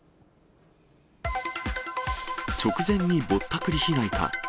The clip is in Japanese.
直前にぼったくり被害か。